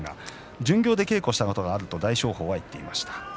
巡業で稽古したからと大翔鵬が言っていました。